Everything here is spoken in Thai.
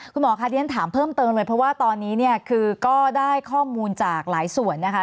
คุณหมอค่ะเรียนถามเพิ่มเติมเลยเพราะว่าตอนนี้เนี่ยคือก็ได้ข้อมูลจากหลายส่วนนะคะ